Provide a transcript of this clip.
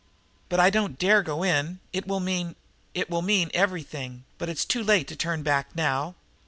"But I don't dare go in. It will mean " "It will mean everything, but it's too late to turn back now.